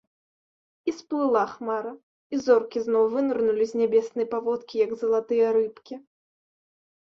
І сплыла хмара, і зоркі зноў вынырнулі з нябеснай паводкі, як залатыя рыбкі.